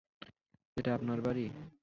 এটা আপনার বাড়ি?